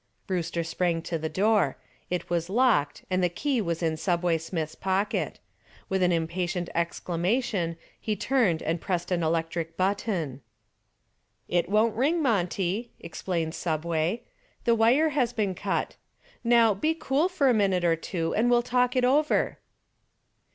Brewster sprang to the door. It was locked and the key was in "Subway" Smith's pocket. With an impatient exclamation he turned and pressed an electric button. "It won't ring, Monty," explained "Subway." "The wire has been cut. Now, be cool for a minute or two and we'll talk it over."